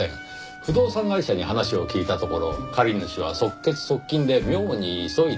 不動産会社に話を聞いたところ借り主は即決即金で妙に急いでいたとか。